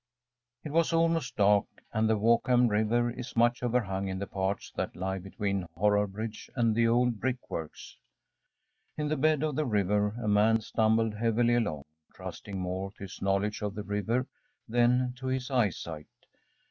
‚ÄĚ It was almost dark, and the Walkham River is much overhung in the parts that lie between Horrabridge and the old brickworks. In the bed of the river a man stumbled heavily along, trusting more to his knowledge of the river than to his eyesight.